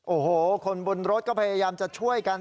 โอ้โหคนบนรถก็พยายามจะช่วยกัน